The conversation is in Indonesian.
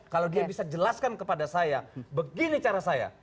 kalau dia bisa jelaskan kepada saya begini cara saya